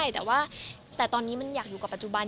แต่ว่าแต่ตอนนี้มันอยากอยู่กับปัจจุบัน